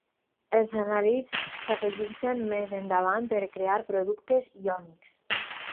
Els anàlits s"afegeixen més endavant per crear productes iònics.